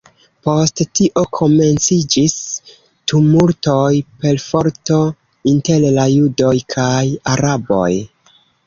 Post tio komenciĝis tumultoj, perforto inter la judoj kaj araboj.